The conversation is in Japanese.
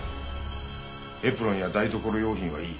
エプロンや台所用品はいい。